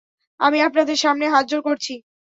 আমি আপনাদের সামনে হতজোড় করছি।